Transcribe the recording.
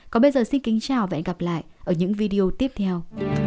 còn bây giờ xin kính chào và hẹn gặp lại ở những video tiếp theo